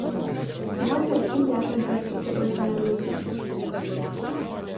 Можа, і я сам трошкі сабой ганаруся.